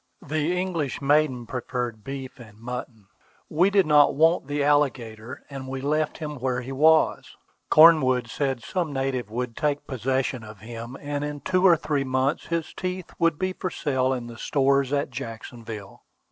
The English maiden preferred beef and mutton. We did not want the alligator, and we left him where he was. Cornwood said some native would take possession of him, and in two or three months his teeth would be for sale in the stores at Jacksonville.